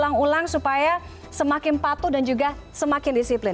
diulang ulang supaya semakin patuh dan juga semakin disiplin